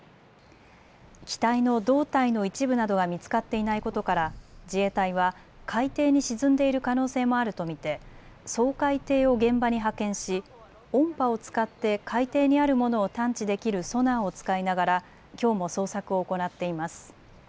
機体の胴体の一部などが見つかっていないことから自衛隊は海底に沈んでいる可能性もあると見て掃海艇を現場に派遣し音波を使って海底にあるものを探知できるソナーを使いながらきょうも捜索を行っています。